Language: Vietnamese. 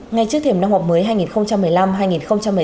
ngay trước thiểm năm học mới hai nghìn một mươi năm hai nghìn một mươi sáu